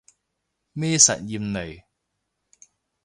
咩實驗嚟